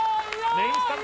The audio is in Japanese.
メインスタンド